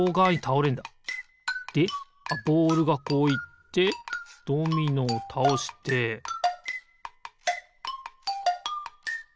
でボールがこういってドミノをたおしてピッ！